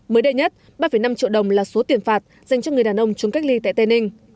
mới đây nhất ba năm triệu đồng là số tiền phạt dành cho người đàn ông trốn cách ly tại tây ninh